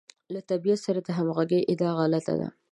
له طبیعت سره د همغږۍ ادعا غلطه ده.